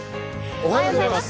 おはようございます。